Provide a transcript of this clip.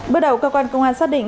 bước đầu cơ quan công an xác định